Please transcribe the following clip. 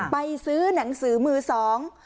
ไปซื้อหนังสือมือสอง